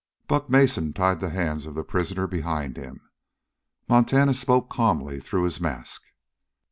Buck Mason tied the hands of the prisoner behind him. Montana spoke calmly through his mask.